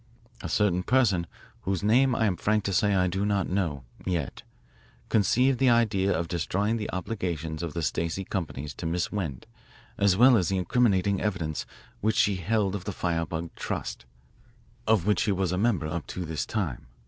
"A certain person whose name I am frank to say I do not know yet conceived the idea of destroying the obligations of the Stacey companies to Miss Wend as well as the incriminating evidence which she held of the 'firebug trust,' of which she was a member up to this time.